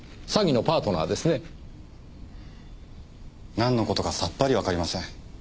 なんの事かさっぱりわかりません。